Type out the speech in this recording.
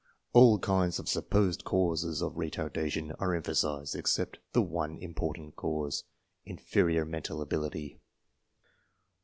All kinds of supposed causes of retardation are empha sized except the one important cause inferior men tal ability.